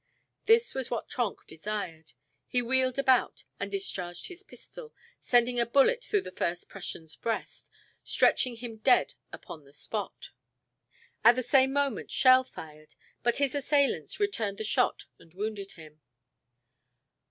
This was what Trenck desired. He wheeled about and discharged his pistol, sending a bullet through the first Prussian's breast, stretching him dead upon the spot. At the same moment Schell fired, but his assailants returned the shot and wounded him.